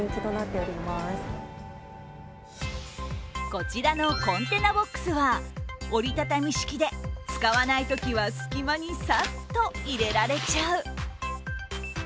こちらのコンテナボックスは折り畳み式で使わないときはすき間にさっと入れられちゃう。